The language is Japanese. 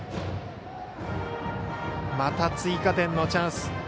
また追加点のチャンス。